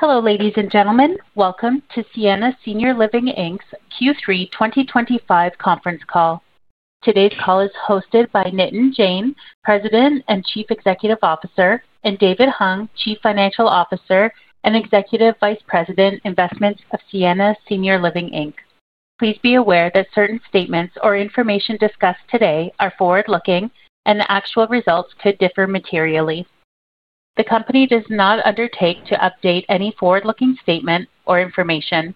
Hello, ladies and gentlemen. Welcome to Sienna Senior Living's Q3 2025 conference call. Today's call is hosted by Nitin Jain, President and Chief Executive Officer, and David Hung, Chief Financial Officer and Executive Vice President, Investments of Sienna Senior Living. Please be aware that certain statements or information discussed today are forward-looking, and the actual results could differ materially. The company does not undertake to update any forward-looking statement or information.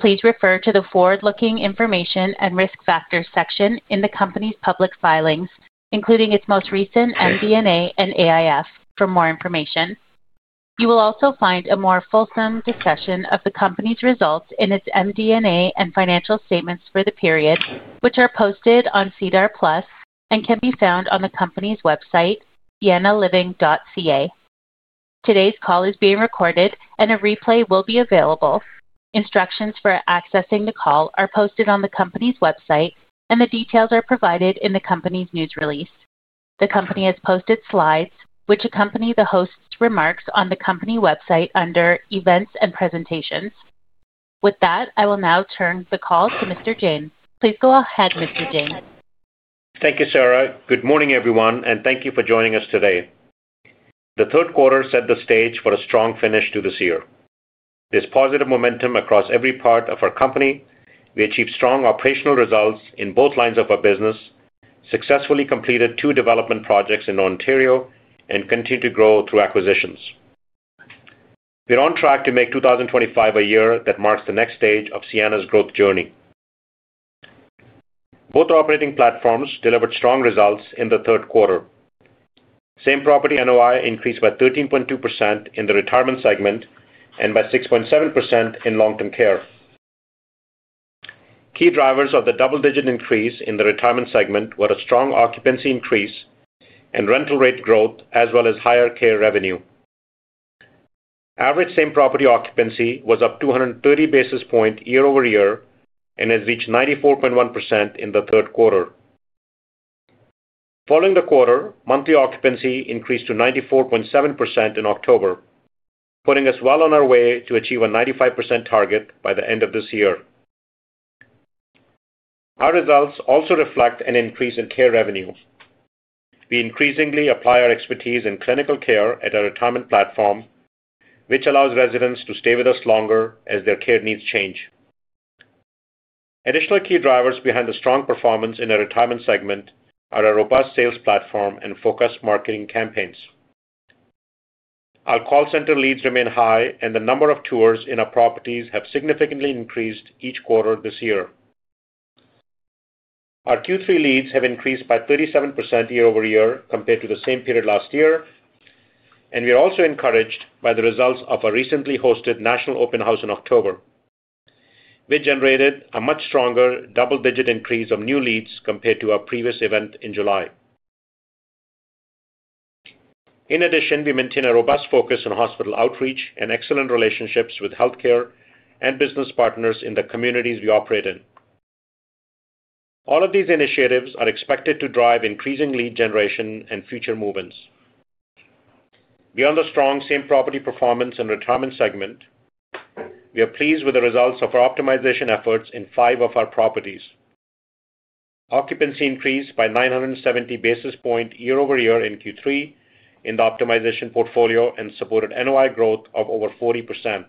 Please refer to the forward-looking information and risk factors section in the company's public filings, including its most recent MD&A and AIF, for more information. You will also find a more fulsome discussion of the company's results in its MD&A and financial statements for the period, which are posted on SEDAR Plus and can be found on the company's website, siennaliving.ca. Today's call is being recorded, and a replay will be available. Instructions for accessing the call are posted on the company's website, and the details are provided in the company's news release. The company has posted slides which accompany the host's remarks on the company website under Events and Presentations. With that, I will now turn the call to Mr. Jain. Please go ahead, Mr. Jain. Thank you, Sarah. Good morning, everyone, and thank you for joining us today. The third quarter set the stage for a strong finish to this year. There is positive momentum across every part of our company. We achieved strong operational results in both lines of our business, successfully completed two development projects in Ontario, and continued to grow through acquisitions. We are on track to make 2025 a year that marks the next stage of Sienna's growth journey. Both operating platforms delivered strong results in the third quarter. Same property NOI increased by 13.2% in the retirement segment and by 6.7% in long-term care. Key drivers of the double-digit increase in the retirement segment were a strong occupancy increase and rental rate growth, as well as higher care revenue. Average same property occupancy was up 230 basis points year-over-year and has reached 94.1% in the third quarter. Following the quarter, monthly occupancy increased to 94.7% in October, putting us well on our way to achieve a 95% target by the end of this year. Our results also reflect an increase in care revenue. We increasingly apply our expertise in clinical care at our retirement platform, which allows residents to stay with us longer as their care needs change. Additional key drivers behind the strong performance in our retirement segment are our robust sales platform and focused marketing campaigns. Our call center leads remain high, and the number of tours in our properties has significantly increased each quarter this year. Our Q3 leads have increased by 37% year-over-year compared to the same period last year, and we are also encouraged by the results of our recently hosted National Open House in October. We generated a much stronger double-digit increase of new leads compared to our previous event in July. In addition, we maintain a robust focus on hospital outreach and excellent relationships with healthcare and business partners in the communities we operate in. All of these initiatives are expected to drive increasing lead generation and future movements. Beyond the strong same property performance and retirement segment, we are pleased with the results of our optimization efforts in five of our properties. Occupancy increased by 970 basis points year-over-year in Q3 in the optimization portfolio and supported NOI growth of over 40%.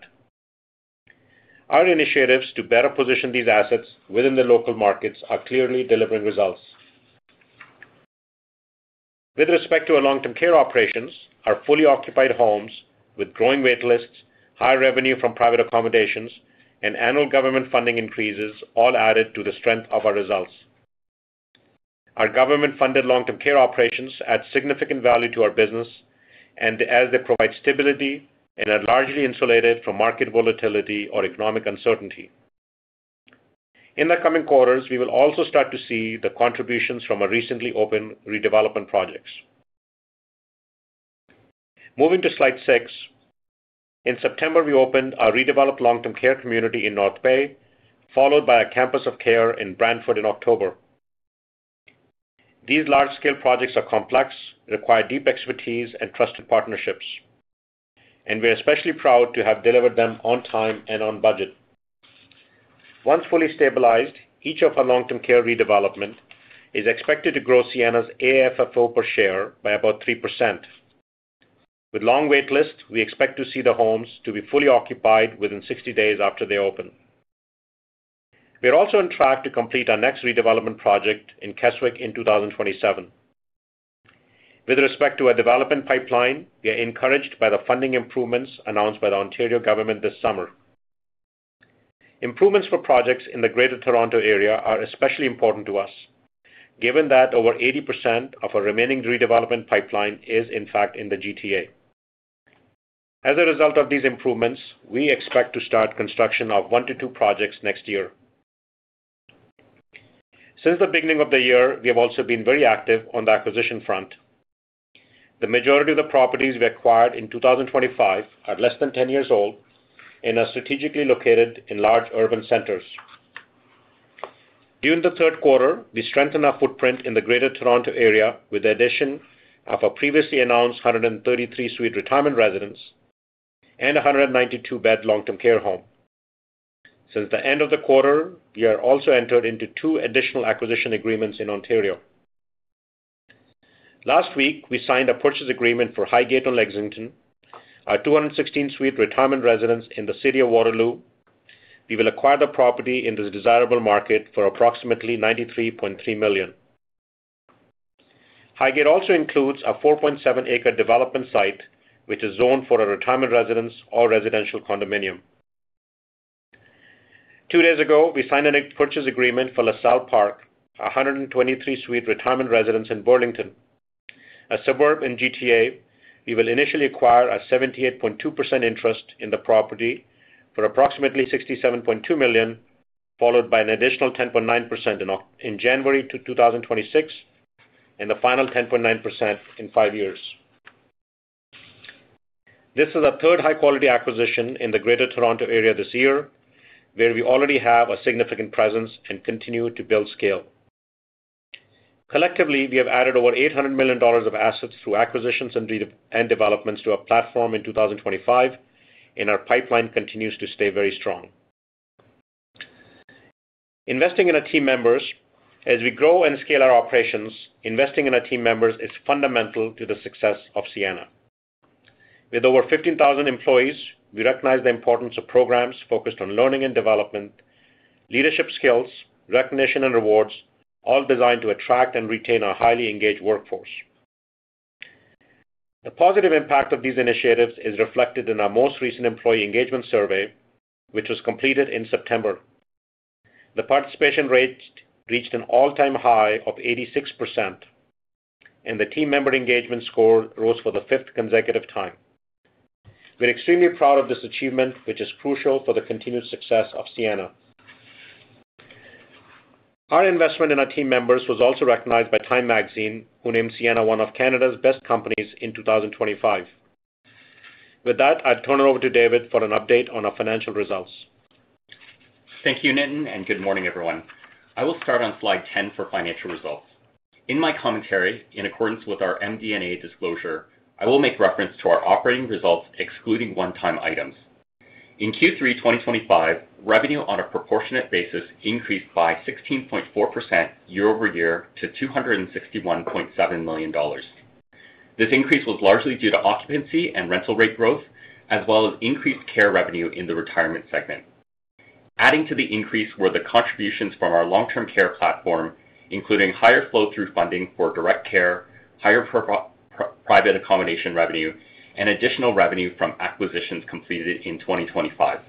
Our initiatives to better position these assets within the local markets are clearly delivering results. With respect to our long-term care operations, our fully occupied homes with growing waitlists, high revenue from private accommodations, and annual government funding increases all added to the strength of our results. Our government-funded long-term care operations add significant value to our business, as they provide stability and are largely insulated from market volatility or economic uncertainty. In the coming quarters, we will also start to see the contributions from our recently opened redevelopment projects. Moving to slide six, in September, we opened our redeveloped long-term care community in North Bay, followed by a campus of care in Brantford in October. These large-scale projects are complex, require deep expertise and trusted partnerships, and we are especially proud to have delivered them on time and on budget. Once fully stabilized, each of our long-term care redevelopments is expected to grow Sienna's AFFO per share by about 3%. With long waitlists, we expect to see the homes to be fully occupied within 60 days after they open. We are also on track to complete our next redevelopment project in Keswick in 2027. With respect to our development pipeline, we are encouraged by the funding improvements announced by the Ontario government this summer. Improvements for projects in the Greater Toronto Area are especially important to us, given that over 80% of our remaining redevelopment pipeline is, in fact, in the GTA. As a result of these improvements, we expect to start construction of one to two projects next year. Since the beginning of the year, we have also been very active on the acquisition front. The majority of the properties we acquired in 2025 are less than 10 years old and are strategically located in large urban centers. During the third quarter, we strengthened our footprint in the Greater Toronto Area with the addition of our previously announced 133-suite retirement residence and 192-bed long-term care home. Since the end of the quarter, we have also entered into two additional acquisition agreements in Ontario. Last week, we signed a purchase agreement for Highgate on Lexington, a 216-suite retirement residence in the city of Waterloo. We will acquire the property in the desirable market for approximately 93.3 million. Highgate also includes a 4.7-acre development site, which is zoned for a retirement residence or residential condominium. Two days ago, we signed a purchase agreement for La Salle Park, a 123-suite retirement residence in Burlington, a suburb in the Greater Toronto Area. We will initially acquire a 78.2% interest in the property for approximately 67.2 million, followed by an additional 10.9% in January 2026 and the final 10.9% in five years. This is our third high-quality acquisition in the Greater Toronto Area this year, where we already have a significant presence and continue to build scale. Collectively, we have added over 800 million dollars of assets through acquisitions and developments to our platform in 2025, and our pipeline continues to stay very strong. Investing in our team members. As we grow and scale our operations, investing in our team members is fundamental to the success of Sienna. With over 15,000 employees, we recognize the importance of programs focused on learning and development, leadership skills, recognition, and rewards, all designed to attract and retain our highly engaged workforce. The positive impact of these initiatives is reflected in our most recent employee engagement survey, which was completed in September. The participation rate reached an all-time high of 86%, and the team member engagement score rose for the fifth consecutive time. We're extremely proud of this achievement, which is crucial for the continued success of Sienna. Our investment in our team members was also recognized by Time Magazine, who named Sienna one of Canada's best companies in 2025. With that, I'll turn it over to David for an update on our financial results. Thank you, Nitin, and good morning, everyone. I will start on slide 10 for financial results. In my commentary, in accordance with our MD&A disclosure, I will make reference to our operating results, excluding one-time items. In Q3 2025, revenue on a proportionate basis increased by 16.4% year-over-year to 261.7 million dollars. This increase was largely due to occupancy and rental rate growth, as well as increased care revenue in the retirement segment. Adding to the increase were the contributions from our long-term care platform, including higher flow-through funding for direct care, higher private accommodation revenue, and additional revenue from acquisitions completed in 2025.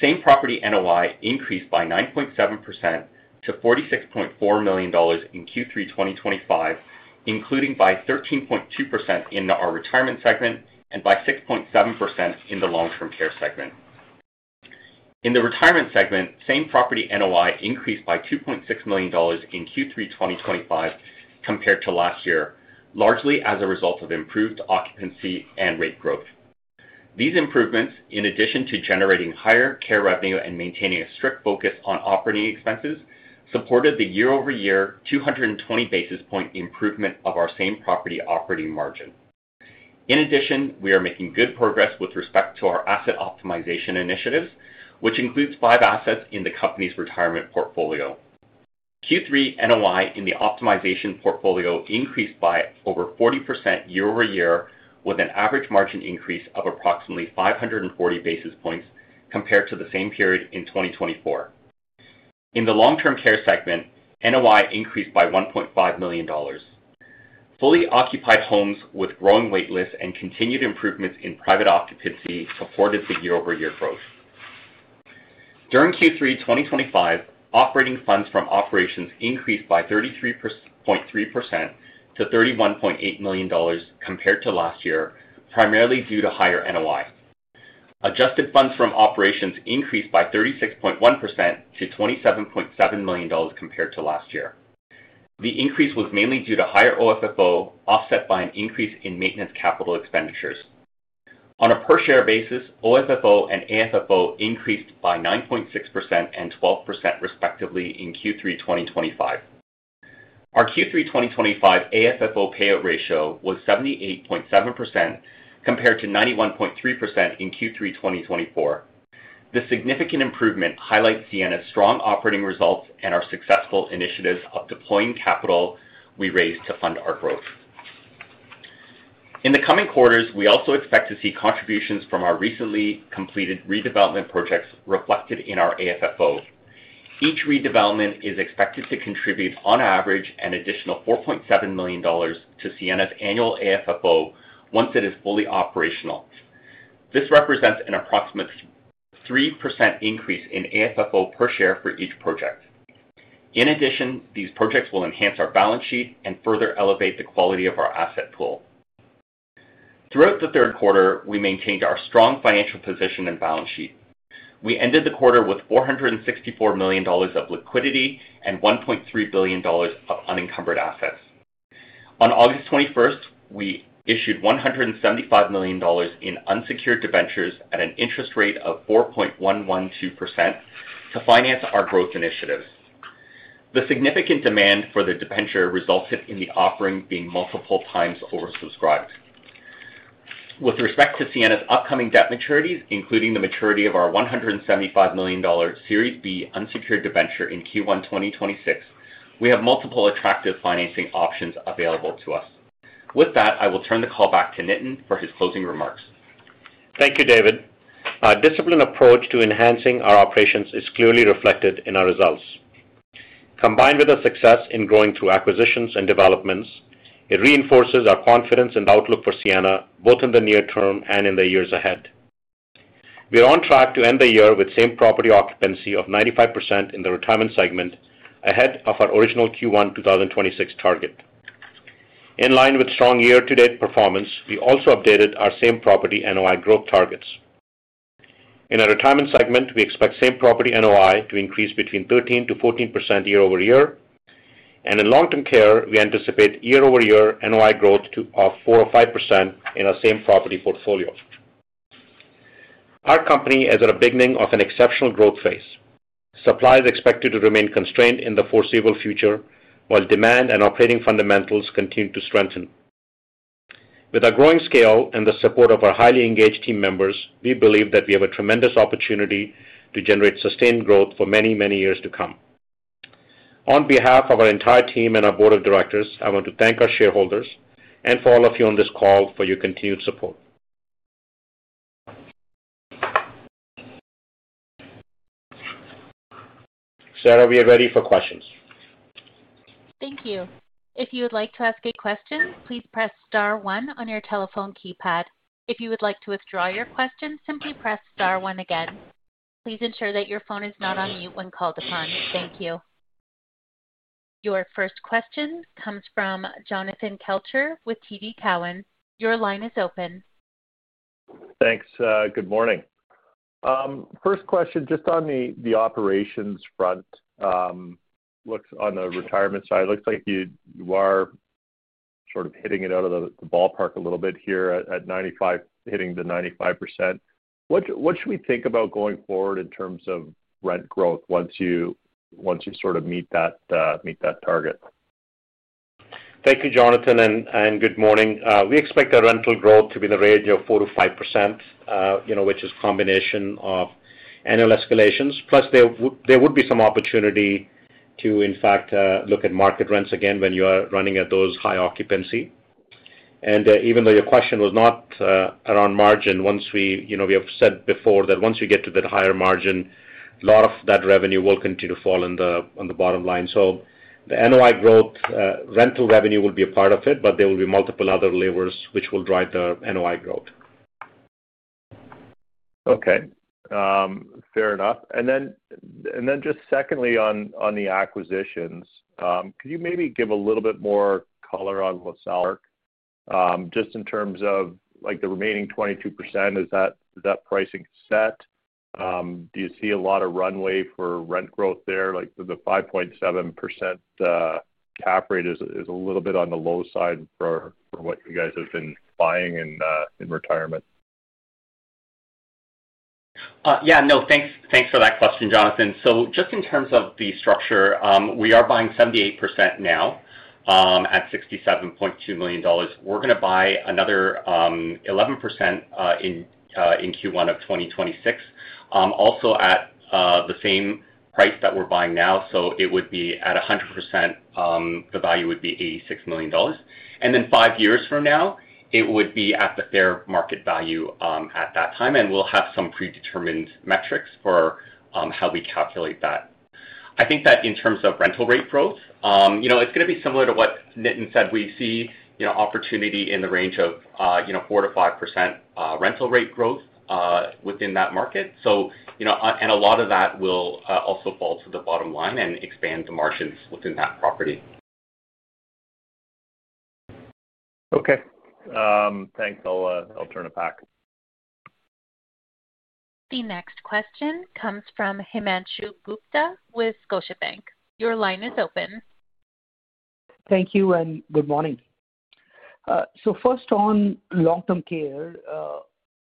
Same property NOI increased by 9.7% to 46.4 million dollars in Q3 2025, including by 13.2% in our retirement segment and by 6.7% in the long-term care segment. In the retirement segment, same property NOI increased by 2.6 million dollars in Q3 2025 compared to last year, largely as a result of improved occupancy and rate growth. These improvements, in addition to generating higher care revenue and maintaining a strict focus on operating expenses, supported the year-over-year 220 basis point improvement of our same property operating margin. In addition, we are making good progress with respect to our asset optimization initiatives, which includes five assets in the company's retirement portfolio. Q3 NOI in the optimization portfolio increased by over 40% year-over-year, with an average margin increase of approximately 540 basis points compared to the same period in 2024. In the long-term care segment, NOI increased by 1.5 million dollars. Fully occupied homes with growing waitlists and continued improvements in private occupancy supported the year-over-year growth. During Q3 2025, operating funds from operations increased by 33.3% to 31.8 million dollars compared to last year, primarily due to higher NOI. Adjusted funds from operations increased by 36.1% to 27.7 million dollars compared to last year. The increase was mainly due to higher FFO offset by an increase in maintenance capital expenditures. On a per-share basis, FFO and AFFO increased by 9.6% and 12% respectively in Q3 2025. Our Q3 2025 AFFO payout ratio was 78.7% compared to 91.3% in Q3 2024. This significant improvement highlights Sienna's strong operating results and our successful initiatives of deploying capital we raised to fund our growth. In the coming quarters, we also expect to see contributions from our recently completed redevelopment projects reflected in our AFFO. Each redevelopment is expected to contribute, on average, an additional 4.7 million dollars to Sienna's annual AFFO once it is fully operational. This represents an approximate 3% increase in AFFO per share for each project. In addition, these projects will enhance our balance sheet and further elevate the quality of our asset pool. Throughout the third quarter, we maintained our strong financial position and balance sheet. We ended the quarter with 464 million dollars of liquidity and 1.3 billion dollars of unencumbered assets. On August 21st, we issued 175 million dollars in unsecured debentures at an interest rate of 4.112% to finance our growth initiatives. The significant demand for the debenture resulted in the offering being multiple times oversubscribed. With respect to Sienna's upcoming debt maturities, including the maturity of our 175 million dollar Series B unsecured debenture in Q1 2026, we have multiple attractive financing options available to us. With that, I will turn the call back to Nitin for his closing remarks. Thank you, David. Our disciplined approach to enhancing our operations is clearly reflected in our results. Combined with our success in growing through acquisitions and developments, it reinforces our confidence in the outlook for Sienna, both in the near term and in the years ahead. We are on track to end the year with same property occupancy of 95% in the retirement segment ahead of our original Q1 2026 target. In line with strong year-to-date performance, we also updated our same property NOI growth targets. In our retirement segment, we expect same property NOI to increase between 13%-14% year-over-year, and in long-term care, we anticipate year-over-year NOI growth of 4% or 5% in our same property portfolio. Our company is at the beginning of an exceptional growth phase. Supply is expected to remain constrained in the foreseeable future while demand and operating fundamentals continue to strengthen. With our growing scale and the support of our highly engaged team members, we believe that we have a tremendous opportunity to generate sustained growth for many, many years to come. On behalf of our entire team and our board of directors, I want to thank our shareholders and all of you on this call for your continued support. Sarah, we are ready for questions. Thank you. If you would like to ask a question, please press star one on your telephone keypad. If you would like to withdraw your question, simply press star one again. Please ensure that your phone is not on mute when called upon. Thank you. Your first question comes from Jonathan Kelcher with TD Cowen. Your line is open. Thanks. Good morning. First question, just on the operations front, on the retirement side, it looks like you are sort of hitting it out of the ballpark a little bit here at hitting the 95%. What should we think about going forward in terms of rent growth once you sort of meet that target? Thank you, Jonathan, and good morning. We expect our rental growth to be in the range of 4%-5%, which is a combination of annual escalations. Plus, there would be some opportunity to, in fact, look at market rents again when you are running at those high occupancy. Even though your question was not around margin, we have said before that once you get to the higher margin, a lot of that revenue will continue to fall on the bottom line. The NOI growth, rental revenue will be a part of it, but there will be multiple other levers which will drive the NOI growth. Okay. Fair enough. Then just secondly, on the acquisitions, could you maybe give a little bit more color on La Salle Park just in terms of the remaining 22%? Is that pricing set? Do you see a lot of runway for rent growth there? The 5.7% cap rate is a little bit on the low side for what you guys have been buying in retirement. Yeah. No, thanks for that question, Jonathan. Just in terms of the structure, we are buying 78% now at 67.2 million dollars. We are going to buy another 11% in Q1 of 2026, also at the same price that we are buying now. It would be at 100%, the value would be 86 million dollars. Five years from now, it would be at the fair market value at that time, and we will have some predetermined metrics for how we calculate that. I think that in terms of rental rate growth, it is going to be similar to what Nitin said. We see opportunity in the range of 4%-5% rental rate growth within that market. A lot of that will also fall to the bottom line and expand the margins within that property. Okay. Thanks. I'll turn it back. The next question comes from Himanshu Gupta with Scotiabank. Your line is open. Thank you and good morning. First on long-term care,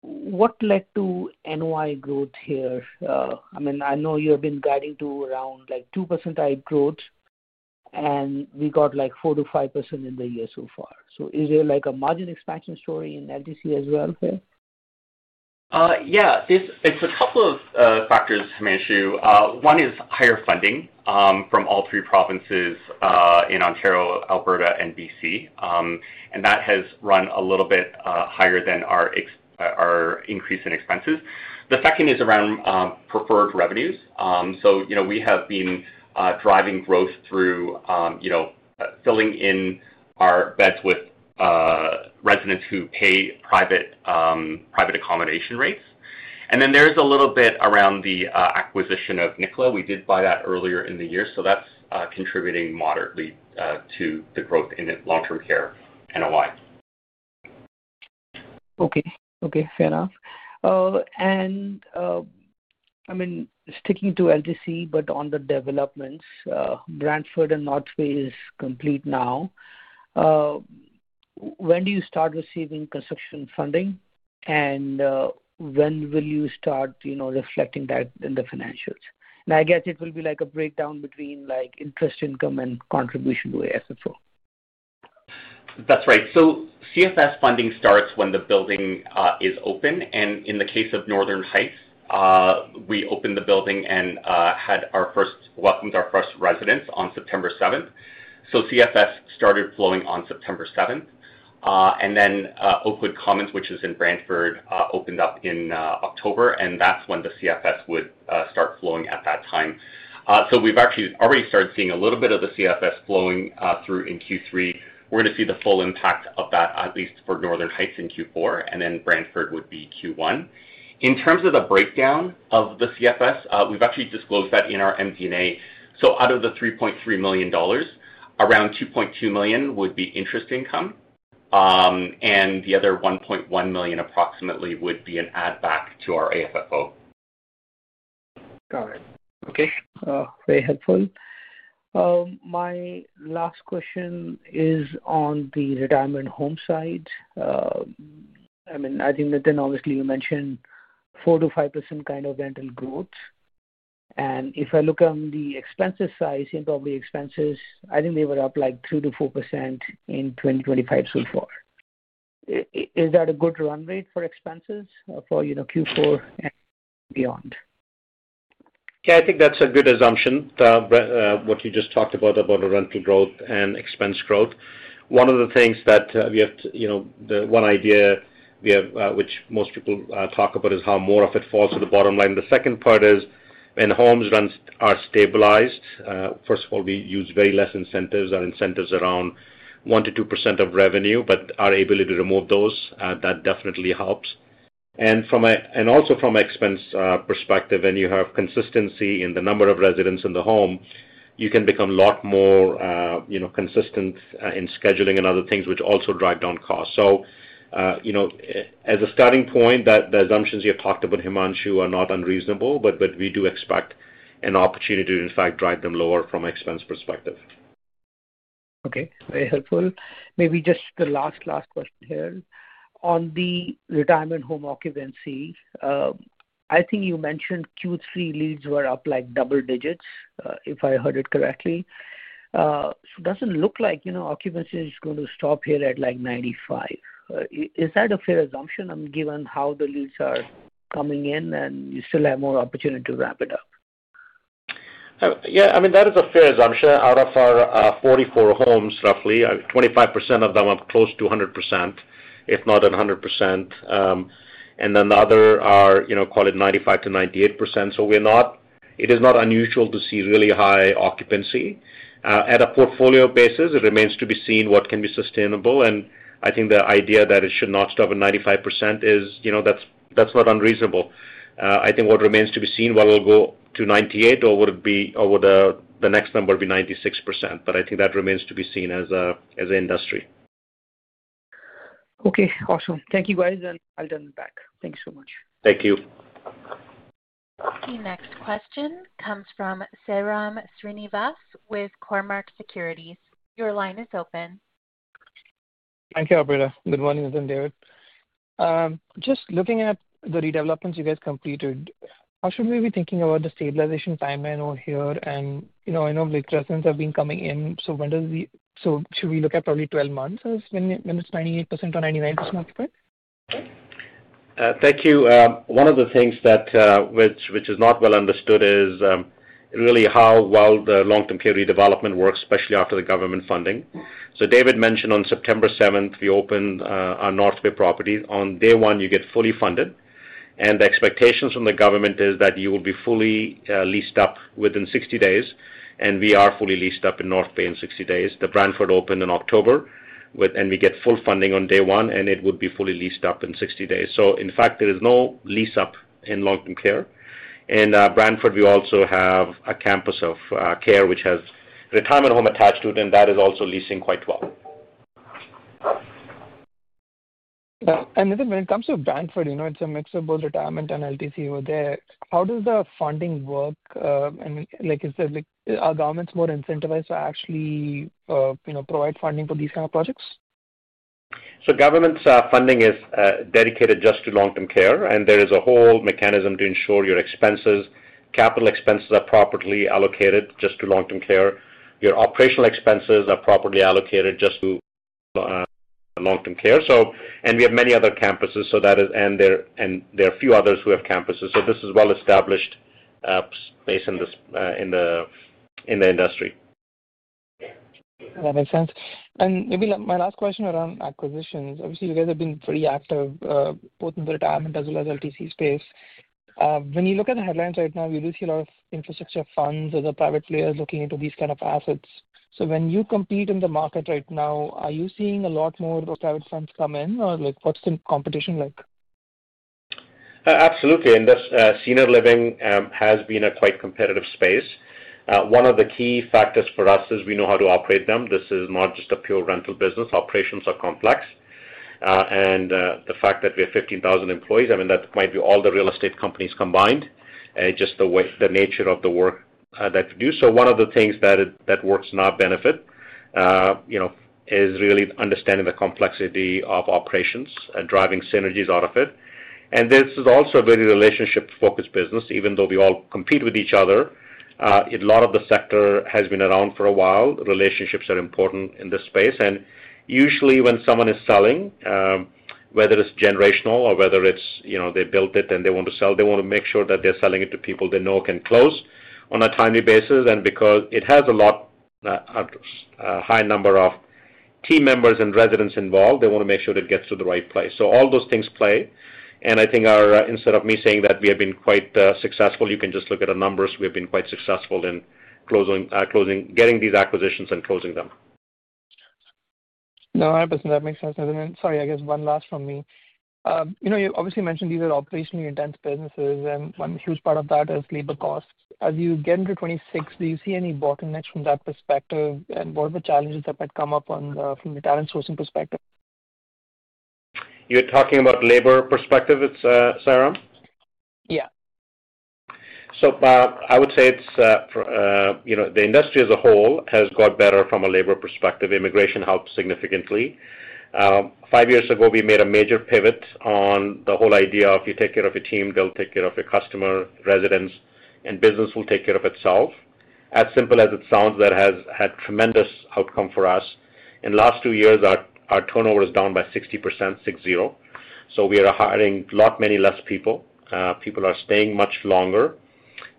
what led to NOI growth here? I mean, I know you have been guiding to around 2% growth, and we got 4%-5% in the year so far. Is there a margin expansion story in LTC as well here? Yeah. It's a couple of factors, Himanshu. One is higher funding from all three provinces in Ontario, Alberta, and BC, and that has run a little bit higher than our increase in expenses. The second is around preferred revenues. So we have been driving growth through filling in our beds with residents who pay private accommodation rates. And then there's a little bit around the acquisition of Nicola. We did buy that earlier in the year, so that's contributing moderately to the growth in long-term care NOI. Okay. Okay. Fair enough. I mean, sticking to LTC, but on the developments, Brantford and North Bay is complete now. When do you start receiving construction funding, and when will you start reflecting that in the financials? I guess it will be like a breakdown between interest income and contribution to AFFO. That's right. CFS funding starts when the building is open. In the case of Northern Heights, we opened the building and welcomed our first residents on September 7th. CFS started flowing on September 7th. Oakwood Commons, which is in Brantford, opened up in October, and that's when the CFS would start flowing at that time. We've actually already started seeing a little bit of the CFS flowing through in Q3. We're going to see the full impact of that, at least for Northern Heights in Q4, and then Brantford would be Q1. In terms of the breakdown of the CFS, we've actually disclosed that in our MD&A. Out of the 3.3 million dollars, around 2.2 million would be interest income, and the other 1.1 million approximately would be an add-back to our AFFO. Got it. Okay. Very helpful. My last question is on the retirement home side. I mean, I think, Nitin, obviously, you mentioned 4%-5% kind of rental growth. And if I look on the expenses side, same property expenses, I think they were up like 3%-4% in 2025 so far. Is that a good run rate for expenses for Q4 and beyond? Yeah. I think that's a good assumption, what you just talked about, about the rental growth and expense growth. One of the things that we have to, the one idea which most people talk about, is how more of it falls to the bottom line. The second part is when homes are stabilized, first of all, we use very less incentives. Our incentives are around 1%-2% of revenue, but our ability to remove those, that definitely helps. Also, from an expense perspective, when you have consistency in the number of residents in the home, you can become a lot more consistent in scheduling and other things, which also drive down costs. As a starting point, the assumptions you talked about, Himanshu, are not unreasonable, but we do expect an opportunity to, in fact, drive them lower from an expense perspective. Okay. Very helpful. Maybe just the last, last question here. On the retirement home occupancy, I think you mentioned Q3 leads were up like double digits, if I heard it correctly. So it does not look like occupancy is going to stop here at like 95%. Is that a fair assumption, given how the leads are coming in, and you still have more opportunity to ramp it up? Yeah. I mean, that is a fair assumption. Out of our 44 homes, roughly 25% of them are close to 100%, if not 100%. And then the other are, call it 95%-98%. It is not unusual to see really high occupancy. At a portfolio basis, it remains to be seen what can be sustainable. I think the idea that it should not stop at 95% is not unreasonable. I think what remains to be seen, whether it will go to 98 or the next number will be 96%, but I think that remains to be seen as an industry. Okay. Awesome. Thank you, guys, and I'll turn it back. Thank you so much. Thank you. The next question comes from Seram Srinivas with Cormark Securities. Your line is open. Thank you, Alberta. Good morning, Nitin and David. Just looking at the redevelopments you guys completed, how should we be thinking about the stabilization time here? I know residents have been coming in, so should we look at probably 12 months when it is 98% or 99% occupied? Thank you. One of the things which is not well understood is really how well the long-term care redevelopment works, especially after the government funding. David mentioned on September 7, we opened our North Bay property. On day one, you get fully funded, and the expectations from the government is that you will be fully leased up within 60 days, and we are fully leased up in North Bay in 60 days. Brantford opened in October, and we get full funding on day one, and it would be fully leased up in 60 days. In fact, there is no lease-up in long-term care. In Brantford, we also have a campus of care which has a retirement home attached to it, and that is also leasing quite well. Nitin, when it comes to Brantford, it's a mix of both retirement and LTC over there. How does the funding work? Is the government more incentivized to actually provide funding for these kind of projects? Government funding is dedicated just to long-term care, and there is a whole mechanism to ensure your capital expenses are properly allocated just to long-term care. Your operational expenses are properly allocated just to long-term care. We have many other campuses, and there are a few others who have campuses. This is well-established space in the industry. That makes sense. Maybe my last question around acquisitions. Obviously, you guys have been pretty active both in the retirement as well as LTC space. When you look at the headlines right now, we do see a lot of infrastructure funds or the private players looking into these kind of assets. When you compete in the market right now, are you seeing a lot more private funds come in, or what's the competition like? Absolutely. Senior living has been a quite competitive space. One of the key factors for us is we know how to operate them. This is not just a pure rental business. Operations are complex. The fact that we have 15,000 employees, I mean, that might be all the real estate companies combined, just the nature of the work that we do. One of the things that works in our benefit is really understanding the complexity of operations and driving synergies out of it. This is also a very relationship-focused business. Even though we all compete with each other, a lot of the sector has been around for a while. Relationships are important in this space. Usually, when someone is selling, whether it is generational or whether they built it and they want to sell, they want to make sure that they are selling it to people they know can close on a timely basis. Because it has a high number of team members and residents involved, they want to make sure it gets to the right place. All those things play. I think instead of me saying that we have been quite successful, you can just look at our numbers. We have been quite successful in getting these acquisitions and closing them. No, 100%. That makes sense. Sorry, I guess one last from me. You obviously mentioned these are operationally intense businesses, and one huge part of that is labor costs. As you get into 2026, do you see any bottlenecks from that perspective, and what are the challenges that might come up from the talent sourcing perspective? You're talking about labor perspective, Seram? Yeah. I would say the industry as a whole has got better from a labor perspective. Immigration helped significantly. Five years ago, we made a major pivot on the whole idea of, "You take care of your team, they'll take care of your customer, residents, and business will take care of itself." As simple as it sounds, that has had tremendous outcome for us. In the last two years, our turnover is down by 60%. We are hiring a lot many less people. People are staying much longer.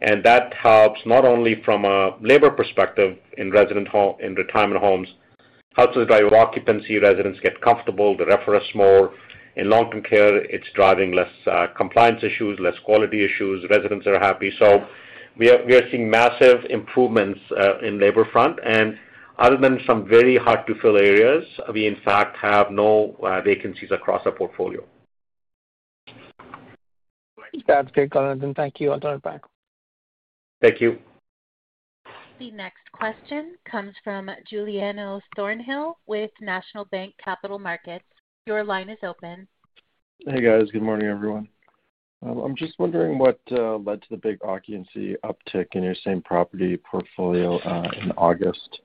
That helps not only from a labor perspective in retirement homes, helps us drive occupancy. Residents get comfortable, they refer us more. In long-term care, it is driving less compliance issues, less quality issues. Residents are happy. We are seeing massive improvements in the labor front. Other than some very hard-to-fill areas, we, in fact, have no vacancies across our portfolio. That's great color. Thank you. I'll turn it back. Thank you. The next question comes from Giuliano Thornhill with National Bank Capital Markets. Your line is open. Hey, guys. Good morning, everyone. I'm just wondering what led to the big occupancy uptick in your same property portfolio in August?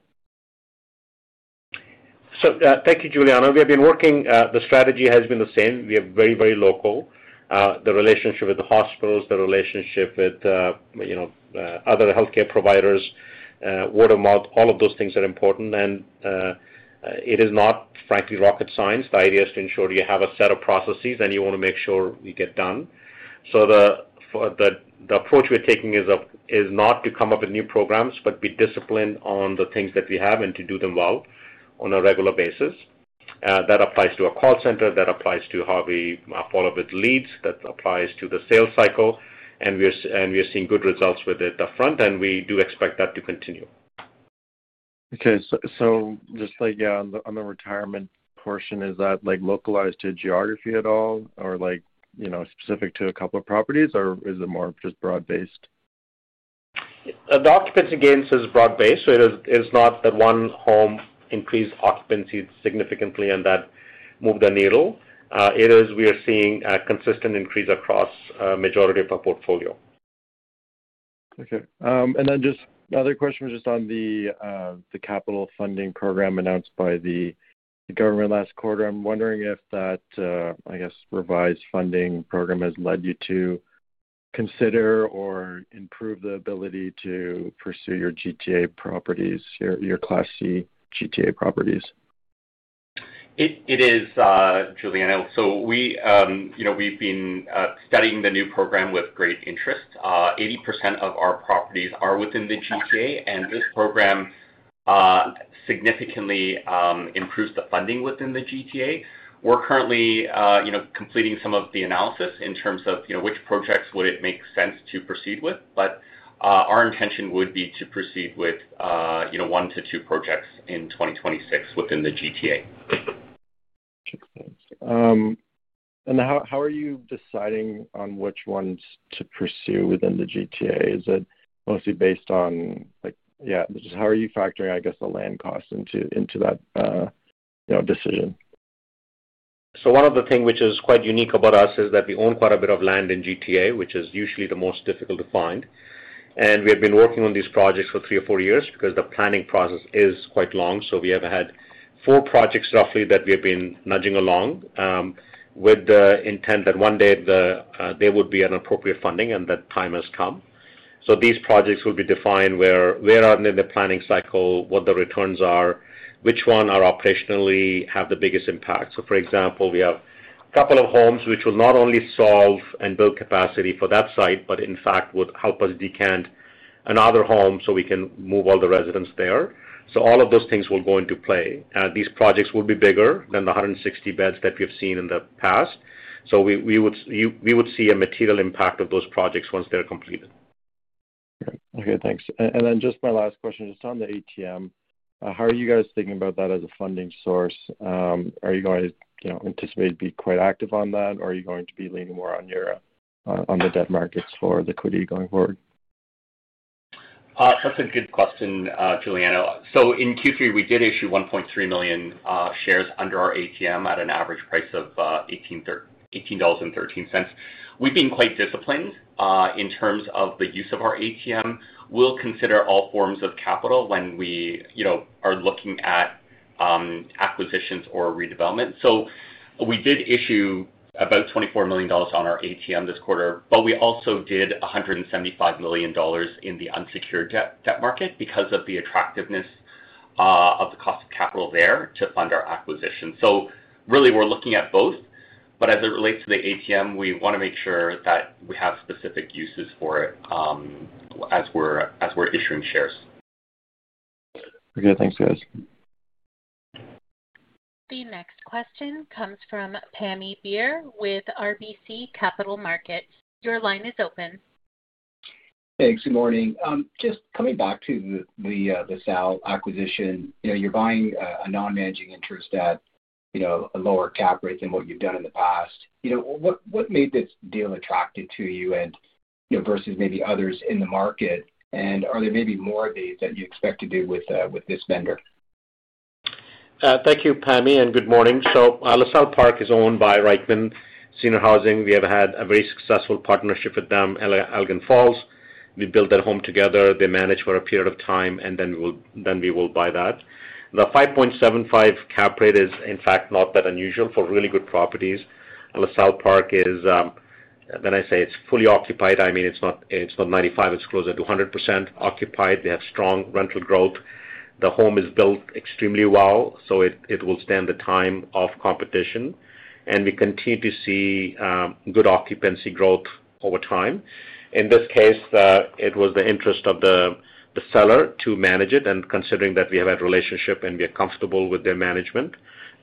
Thank you, Giuliano. We have been working, the strategy has been the same. We are very, very local. The relationship with the hospitals, the relationship with other healthcare providers, watermark, all of those things are important. It is not, frankly, rocket science. The idea is to ensure you have a set of processes, and you want to make sure you get done. The approach we are taking is not to come up with new programs, but be disciplined on the things that we have and to do them well on a regular basis. That applies to our call center. That applies to how we follow up with leads. That applies to the sales cycle. We are seeing good results with it upfront, and we do expect that to continue. Okay. So just on the retirement portion, is that localized to geography at all or specific to a couple of properties, or is it more just broad-based? The occupancy, again, is broad-based. It is not that one home increased occupancy significantly and that moved the needle. It is we are seeing a consistent increase across the majority of our portfolio. Okay. Just another question was just on the capital funding program announced by the government last quarter. I'm wondering if that, I guess, revised funding program has led you to consider or improve the ability to pursue your GTA properties, your Class C GTA properties. It is, Giuliano. We have been studying the new program with great interest. 80% of our properties are within the GTA, and this program significantly improves the funding within the GTA. We are currently completing some of the analysis in terms of which projects would it make sense to proceed with. Our intention would be to proceed with one to two projects in 2026 within the GTA. Makes sense. How are you deciding on which ones to pursue within the GTA? Is it mostly based on, yeah, just how are you factoring, I guess, the land cost into that decision? One of the things which is quite unique about us is that we own quite a bit of land in the Greater Toronto Area, which is usually the most difficult to find. We have been working on these projects for three or four years because the planning process is quite long. We have had four projects roughly that we have been nudging along with the intent that one day there would be appropriate funding, and that time has come. These projects will be defined by where they are in the planning cycle, what the returns are, which ones operationally have the biggest impact. For example, we have a couple of homes which will not only solve and build capacity for that site, but in fact, would help us decant another home so we can move all the residents there. All of those things will go into play. These projects will be bigger than the 160 beds that we have seen in the past. We would see a material impact of those projects once they're completed. Okay. Thanks. Just my last question, just on the ATM, how are you guys thinking about that as a funding source? Are you guys anticipating to be quite active on that, or are you going to be leaning more on the debt markets for liquidity going forward? That's a good question, Giuliano. In Q3, we did issue 1.3 million shares under our ATM at an average price of 18.13 dollars. We've been quite disciplined in terms of the use of our ATM. We'll consider all forms of capital when we are looking at acquisitions or redevelopment. We did issue about 24 million dollars on our ATM this quarter, but we also did 175 million dollars in the unsecured debt market because of the attractiveness of the cost of capital there to fund our acquisition. Really, we're looking at both. As it relates to the ATM, we want to make sure that we have specific uses for it as we're issuing shares. Okay. Thanks, guys. The next question comes from Pammi Bir with RBC Capital Markets. Your line is open. Hey, good morning. Just coming back to the SAL acquisition, you're buying a non-managing interest at a lower cap rate than what you've done in the past. What made this deal attractive to you versus maybe others in the market, and are there maybe more of these that you expect to do with this vendor? Thank you, Pammi, and good morning. La Salle Park is owned by Reitman Senior Housing. We have had a very successful partnership with them, Elgin Falls. We built that home together. They managed for a period of time, and then we will buy that. The 5.75% cap rate is, in fact, not that unusual for really good properties. La Salle Park is, when I say it is fully occupied, I mean it is not 95%, it is closer to 100% occupied. They have strong rental growth. The home is built extremely well, so it will stand the time of competition. We continue to see good occupancy growth over time. In this case, it was the interest of the seller to manage it. Considering that we have had a relationship and we are comfortable with their management,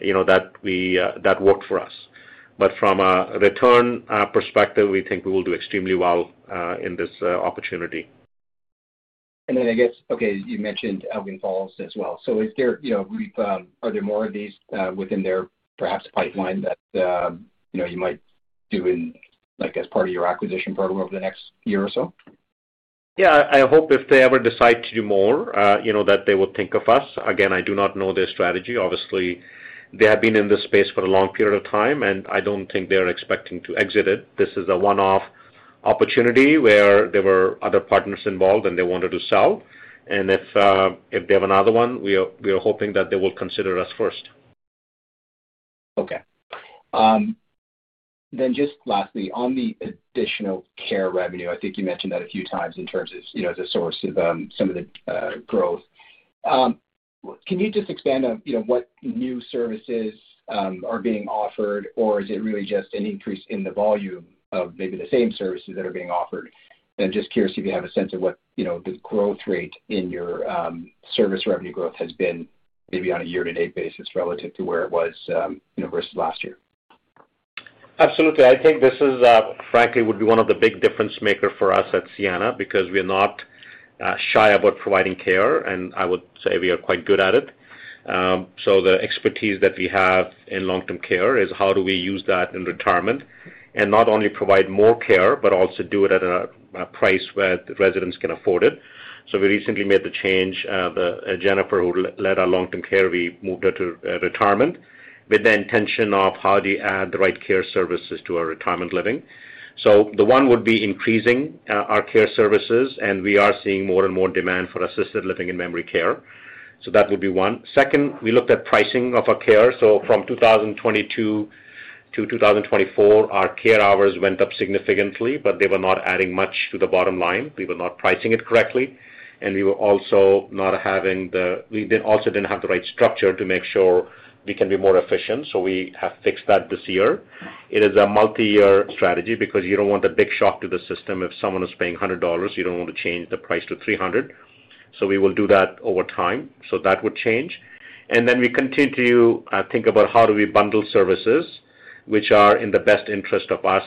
that worked for us. From a return perspective, we think we will do extremely well in this opportunity. Okay, you mentioned Elgin Falls as well. Are there more of these within their perhaps pipeline that you might do as part of your acquisition program over the next year or so? Yeah. I hope if they ever decide to do more, that they will think of us. Again, I do not know their strategy. Obviously, they have been in this space for a long period of time, and I do not think they are expecting to exit it. This is a one-off opportunity where there were other partners involved and they wanted to sell. If they have another one, we are hoping that they will consider us first. Okay. Then just lastly, on the additional care revenue, I think you mentioned that a few times in terms of the source of some of the growth. Can you just expand on what new services are being offered, or is it really just an increase in the volume of maybe the same services that are being offered? I am just curious if you have a sense of what the growth rate in your service revenue growth has been maybe on a year-to-date basis relative to where it was versus last year. Absolutely. I think this is, frankly, would be one of the big difference makers for us at Sienna because we are not shy about providing care, and I would say we are quite good at it. The expertise that we have in long-term care is how do we use that in retirement and not only provide more care, but also do it at a price where the residents can afford it. We recently made the change. Jennifer, who led our long-term care, we moved her to retirement with the intention of how do you add the right care services to our retirement living. The one would be increasing our care services, and we are seeing more and more demand for assisted living and memory care. That would be one. Second, we looked at pricing of our care. From 2022 to 2024, our care hours went up significantly, but they were not adding much to the bottom line. We were not pricing it correctly, and we also did not have the right structure to make sure we can be more efficient. We have fixed that this year. It is a multi-year strategy because you do not want a big shock to the system. If someone is paying $100, you do not want to change the price to $300. We will do that over time. That would change. We continue to think about how do we bundle services which are in the best interest of us,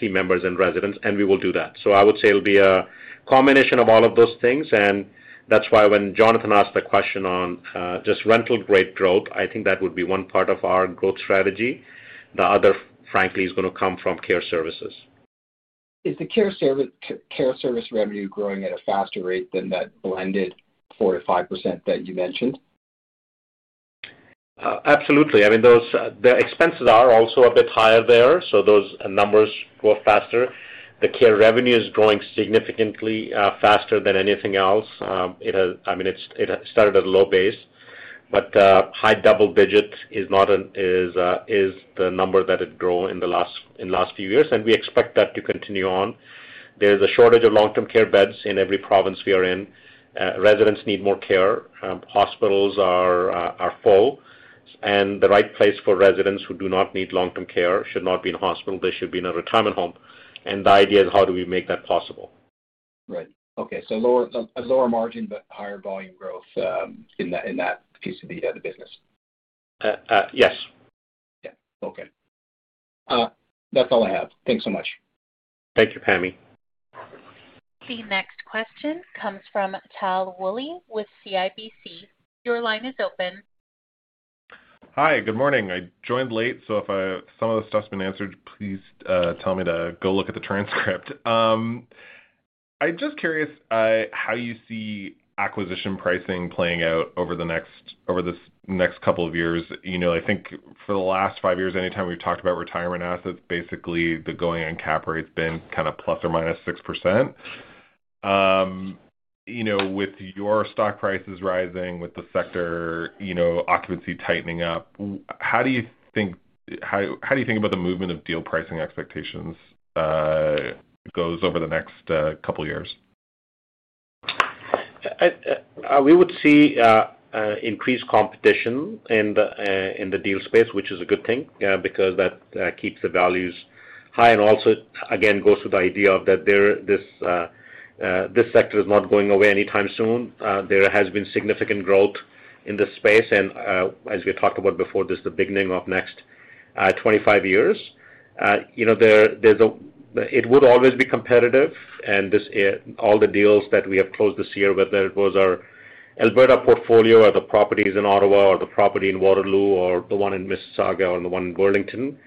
team members, and residents, and we will do that. I would say it will be a combination of all of those things. That is why when Jonathan asked the question on just rental rate growth, I think that would be one part of our growth strategy. The other, frankly, is going to come from care services. Is the care service revenue growing at a faster rate than that blended 4-5% that you mentioned? Absolutely. I mean, the expenses are also a bit higher there. So those numbers go faster. The care revenue is growing significantly faster than anything else. I mean, it started at a low base, but high double digits is the number that it grew in the last few years, and we expect that to continue on. There is a shortage of long-term care beds in every province we are in. Residents need more care. Hospitals are full. The right place for residents who do not need long-term care should not be in a hospital. They should be in a retirement home. The idea is how do we make that possible? Right. Okay. So a lower margin, but higher volume growth in that piece of the business. Yes. Yeah. Okay. That's all I have. Thanks so much. Thank you, Pammi. The next question comes from Tal Woolley with CIBC. Your line is open. Hi. Good morning. I joined late, so if some of the stuff's been answered, please tell me to go look at the transcript. I'm just curious how you see acquisition pricing playing out over this next couple of years. I think for the last five years, anytime we've talked about retirement assets, basically the going on cap rate has been kind of plus or minus 6%. With your stock prices rising, with the sector occupancy tightening up, how do you think about the movement of deal pricing expectations goes over the next couple of years? We would see increased competition in the deal space, which is a good thing because that keeps the values high. Also, again, goes with the idea that this sector is not going away anytime soon. There has been significant growth in this space. As we talked about before, this is the beginning of the next 25 years. It would always be competitive. All the deals that we have closed this year, whether it was our Alberta portfolio or the properties in Ottawa or the property in Waterloo or the one in Mississauga or the one in Burlington,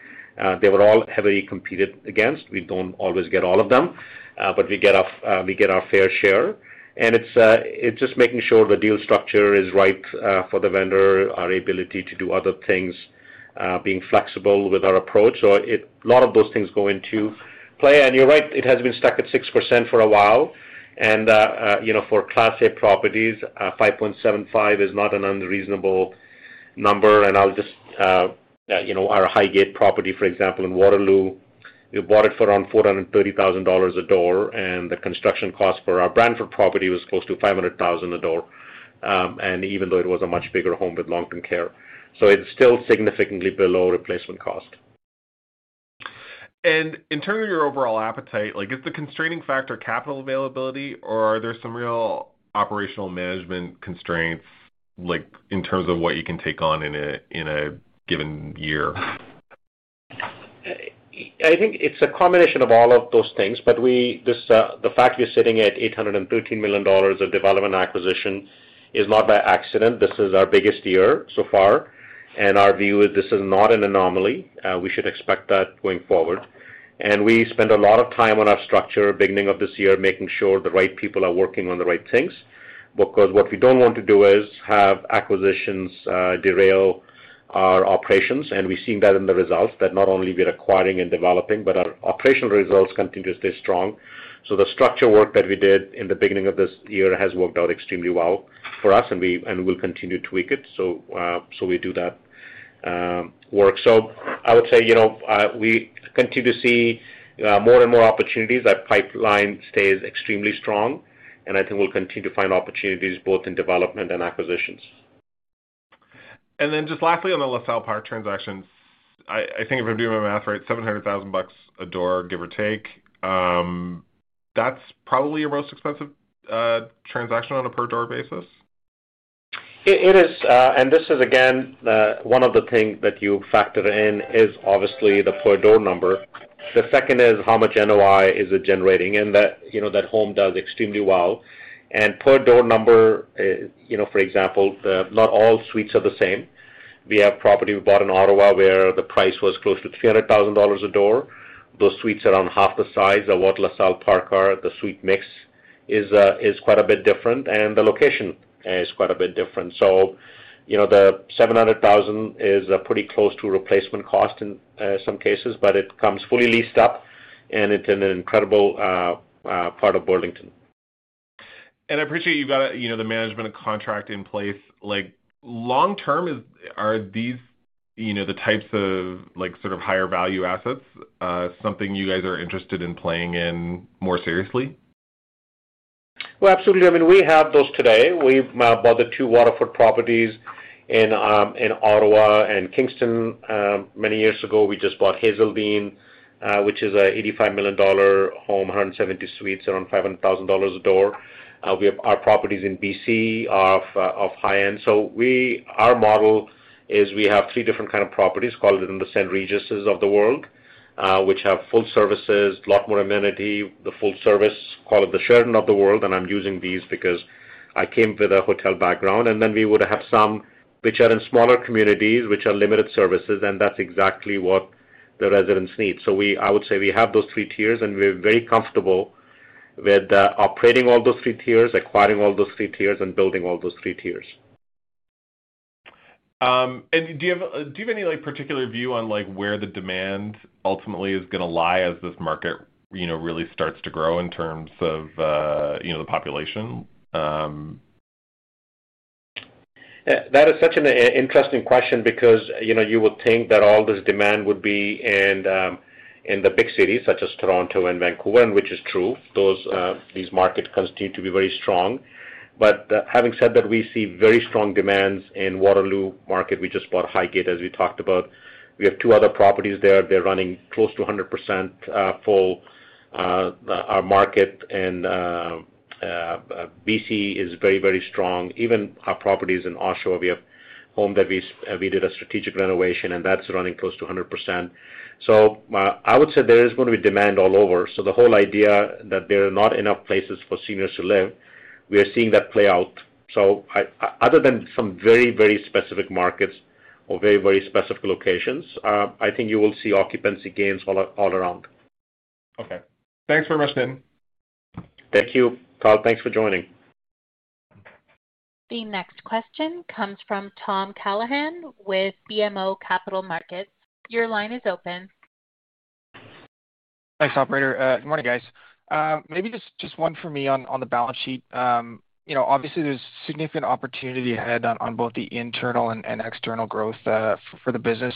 they were all heavily competed against. We do not always get all of them, but we get our fair share. It is just making sure the deal structure is right for the vendor, our ability to do other things, being flexible with our approach. A lot of those things go into play. You're right, it has been stuck at 6% for a while. For Class A properties, 5.75% is not an unreasonable number. I'll just use our Highgate property, for example, in Waterloo. We bought it for around 430,000 dollars a door, and the construction cost for our Brantford property was close to 500,000 a door, even though it was a much bigger home with long-term care. It's still significantly below replacement cost. In terms of your overall appetite, is the constraining factor capital availability, or are there some real operational management constraints in terms of what you can take on in a given year? I think it's a combination of all of those things, but the fact we're sitting at 813 million dollars of development acquisition is not by accident. This is our biggest year so far. Our view is this is not an anomaly. We should expect that going forward. We spend a lot of time on our structure beginning of this year making sure the right people are working on the right things because what we do not want to do is have acquisitions derail our operations. We have seen that in the results that not only we are acquiring and developing, but our operational results continue to stay strong. The structure work that we did in the beginning of this year has worked out extremely well for us, and we will continue to tweak it. We do that work. I would say we continue to see more and more opportunities. That pipeline stays extremely strong, and I think we'll continue to find opportunities both in development and acquisitions. Just lastly on the La Salle Park transactions, I think if I'm doing my math right, 700,000 bucks a door, give or take. That's probably your most expensive transaction on a per-door basis? It is. This is, again, one of the things that you factor in is obviously the per-door number. The second is how much NOI is it generating? That home does extremely well. Per-door number, for example, not all suites are the same. We have property we bought in Ottawa where the price was close to 300,000 dollars a door. Those suites are half the size of what La Salle Park are. The suite mix is quite a bit different, and the location is quite a bit different. The 700,000 is pretty close to replacement cost in some cases, but it comes fully leased up, and it is an incredible part of Burlington. I appreciate you've got the management contract in place. Long term, are these the types of sort of higher value assets something you guys are interested in playing in more seriously? Absolutely. I mean, we have those today. We bought the two Waterford properties in Ottawa and Kingston many years ago. We just bought Hazelbean, which is 85 million dollar, 170 suites, around 500,000 dollars a door. We have our properties in BC of high-end. Our model is we have three different kinds of properties, call it in the St. Regis's of the world, which have full services, a lot more amenity, the full service, call it the Sheridan of the world. I'm using these because I came with a hotel background. We would have some which are in smaller communities, which are limited services, and that is exactly what the residents need. I would say we have those three tiers, and we're very comfortable with operating all those three tiers, acquiring all those three tiers, and building all those three tiers. Do you have any particular view on where the demand ultimately is going to lie as this market really starts to grow in terms of the population? That is such an interesting question because you would think that all this demand would be in the big cities such as Toronto and Vancouver, which is true. These markets continue to be very strong. Having said that, we see very strong demand in the Waterloo market. We just bought Highgate, as we talked about. We have two other properties there. They're running close to 100% full. Our market in BC is very, very strong. Even our properties in Oshawa, we have a home that we did a strategic renovation, and that's running close to 100%. I would say there is going to be demand all over. The whole idea that there are not enough places for seniors to live, we are seeing that play out. Other than some very, very specific markets or very, very specific locations, I think you will see occupancy gains all around. Okay. Thanks very much, Nitin. Thank you, Tal. Thanks for joining. The next question comes from Tom Callahan with BMO Capital Markets. Your line is open. Thanks, operator. Good morning, guys. Maybe just one for me on the balance sheet. Obviously, there's significant opportunity ahead on both the internal and external growth for the business.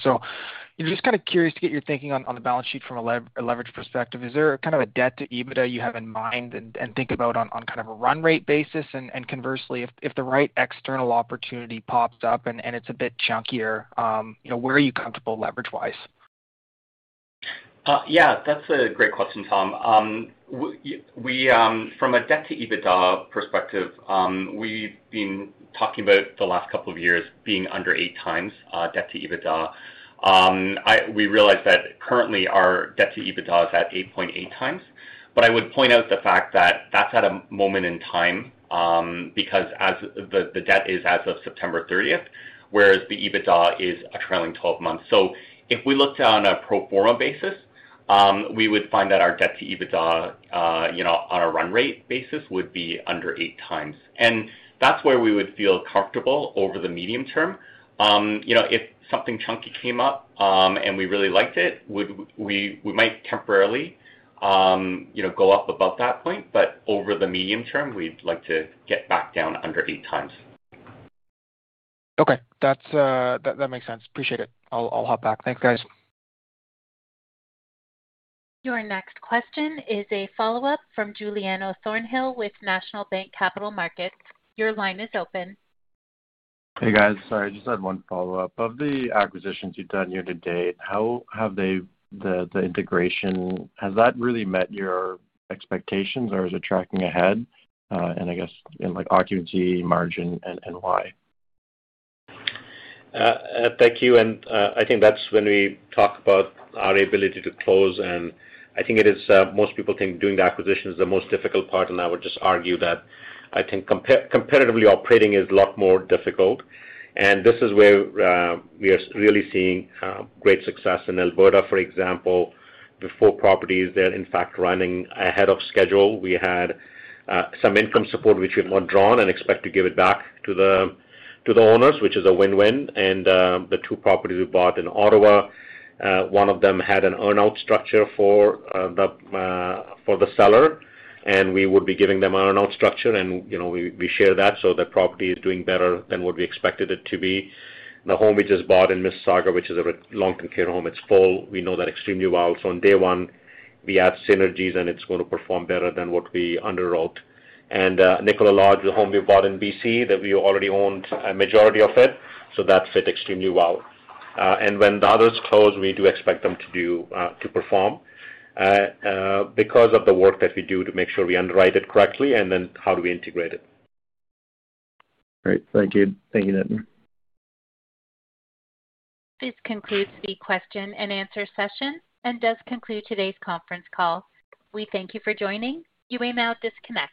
Just kind of curious to get your thinking on the balance sheet from a leverage perspective. Is there kind of a debt to EBITDA you have in mind and think about on kind of a run rate basis? Conversely, if the right external opportunity pops up and it's a bit chunkier, where are you comfortable leverage-wise? Yeah, that's a great question, Tom. From a debt to EBITDA perspective, we've been talking about the last couple of years being under 8x debt to EBITDA. We realize that currently our debt to EBITDA is at 8.8x, but I would point out the fact that that's at a moment in time because the debt is as of September 30, whereas the EBITDA is a trailing 12 months. If we looked on a pro forma basis, we would find that our debt to EBITDA on a run rate basis would be under 8 times. That's where we would feel comfortable over the medium term. If something chunky came up and we really liked it, we might temporarily go up above that point, but over the medium term, we'd like to get back down under 8 times. Okay. That makes sense. Appreciate it. I'll hop back. Thanks, guys. Your next question is a follow-up from Giuliano Thornhill with National Bank Capital Markets. Your line is open. Hey, guys. Sorry, I just had one follow-up. Of the acquisitions you've done year to date, how have the integrations, has that really met your expectations, or is it tracking ahead? I guess in occupancy, margin, and why? Thank you. I think that is when we talk about our ability to close. I think most people think doing the acquisition is the most difficult part, and I would just argue that I think competitively operating is a lot more difficult. This is where we are really seeing great success. In Alberta, for example, the four properties there are in fact running ahead of schedule. We had some income support, which we have not drawn and expect to give back to the owners, which is a win-win. The two properties we bought in Ottawa, one of them had an earnout structure for the seller, and we would be giving them an earnout structure. We share that so the property is doing better than what we expected it to be. The home we just bought in Mississauga, which is a long-term care home, is full. We know that extremely well. On day one, we have synergies, and it is going to perform better than what we underwrote. Nicola Lodge, the home we bought in BC, we already owned a majority of it. That fit extremely well. When the others close, we do expect them to perform because of the work that we do to make sure we underwrite it correctly and then how we integrate it. Great. Thank you. Thank you, Nitin. This concludes the question and answer session and does conclude today's conference call. We thank you for joining. You may now disconnect.